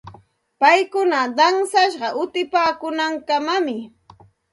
Paykuna awsashqa utipaakuunankamam.